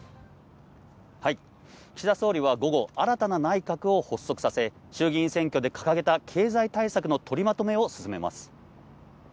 岸田総理は午後、新たな内閣を発足させ、衆議院選挙で掲げた経済対策の取りまとめを進めます。